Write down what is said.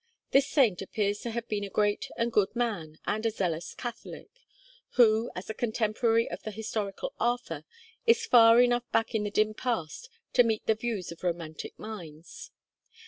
This saint appears to have been a great and good man, and a zealous Catholic, who, as a contemporary of the historical Arthur, is far enough back in the dim past to meet the views of romantic minds.